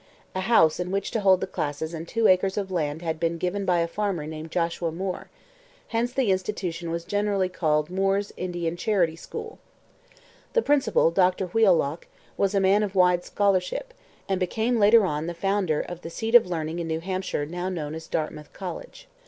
A house in which to hold the classes and two acres of land had been given by a farmer named Joshua Moor; hence the institution was generally called Moor's Indian Charity School. The principal, Dr Wheelock, was a man of wide scholarship, and became later on the founder of the seat of learning in New Hampshire now known as Dartmouth College.